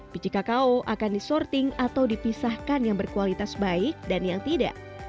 biji kakao akan disorting atau dipisahkan yang berkualitas baik dan yang tidak